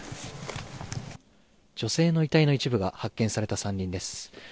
女性の遺体の一部が発見された山林です。